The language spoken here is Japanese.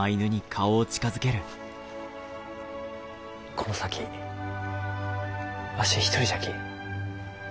この先わし一人じゃき。